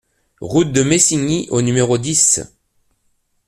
Route de Messigny au numéro dix